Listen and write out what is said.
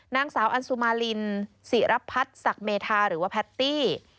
นางสาวอันสุมารินศิรพัฒน์ศักดิ์เมธาหรือว่าแพตตี้